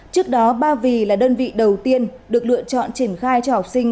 trước đó ba vì là đơn vị đầu tiên được lựa chọn triển khai cho học sinh